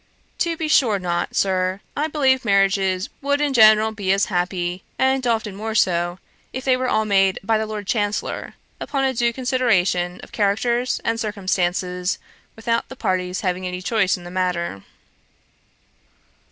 'To be sure not, Sir. I believe marriages would in general be as happy, and often more so, if they were all made by the Lord Chancellor, upon a due consideration of characters and circumstances, without the parties having any choice in the matter.'